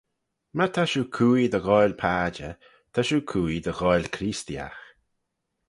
My ta shiu cooie dy ghoaill padjer, ta shiu cooie dy ghoaill Creesteeaght.